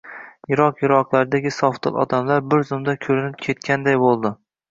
Yiroq-yiroqlardagi sofdil odamlar bir zumga koʻrinib ketganday boʻldi